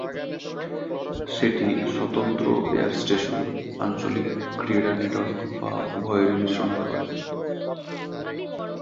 সেটি স্বতন্ত্র air station, আঞ্চলিক ক্রীড়া নেটওয়ার্ক বা উভয়েরই মিশ্রণ হতে পারে।